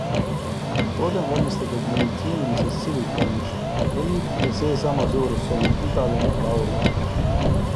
Toode on valmistatud meditsiinilisest silikoonist, venib ja seesama suurus sobib igale meheaule.